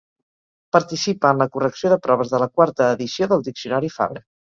Participa en la correcció de proves de la quarta edició del Diccionari Fabra.